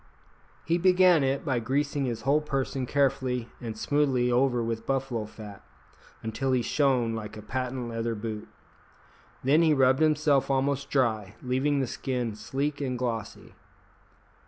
He began it by greasing his whole person carefully and smoothly over with buffalo fat, until he shone like a patent leather boot; then he rubbed himself almost dry, leaving the skin sleek and glossy.